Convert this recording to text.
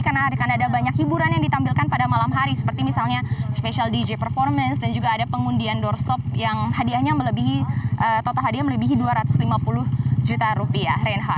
karena ada banyak hiburan yang ditampilkan pada malam hari seperti misalnya special dj performance dan juga ada pengundian doorstop yang hadiahnya melebihi dua ratus lima puluh juta rupiah